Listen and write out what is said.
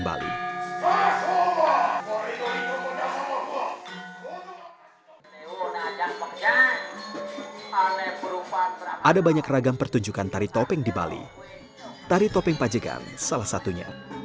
ceritanya pun banyak mengambil legenda ramayana dan mahabharata